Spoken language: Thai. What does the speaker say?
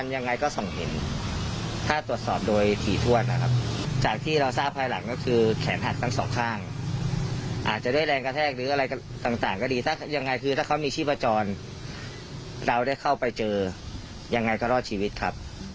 เราได้เข้าไปเจอยังไงก็รอดชีวิตครับ